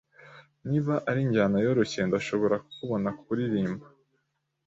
Niba ari injyana yoroshye, ndashobora kubona-kuririmba.